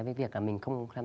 với việc là mình không tham gia